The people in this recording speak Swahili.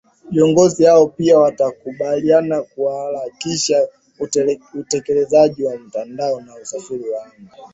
Viongozi hao pia walikubaliana kuharakisha utekelezaji wa mtandao wa usafiri wa anga